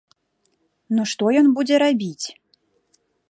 Ну што ён будзе рабіць?